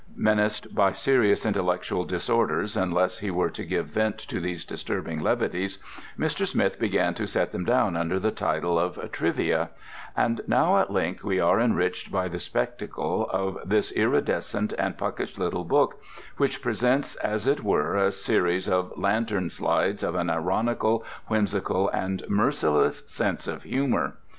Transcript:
Menaced by serious intellectual disorders unless he were to give vent to these disturbing levities, Mr. Smith began to set them down under the title of "Trivia," and now at length we are enriched by the spectacle of this iridescent and puckish little book, which presents as it were a series of lantern slides of an ironical, whimsical, and merciless sense of humour.